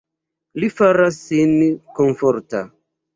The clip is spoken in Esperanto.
Li faras sin komforta.